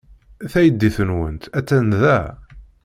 Taydit-nwent attan da.